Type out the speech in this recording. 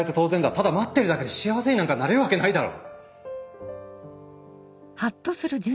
ただ待ってるだけで幸せになんかなれるわけないだろ。